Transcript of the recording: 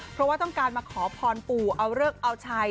เพราะว่าต้องการมาขอพรปู่เอาเลิกเอาชัย